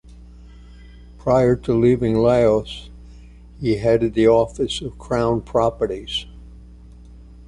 Prior to leaving Laos he headed the Office of Crown Properties.